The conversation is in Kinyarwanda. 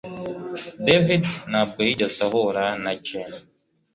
David ntabwo yigeze ahura na Jane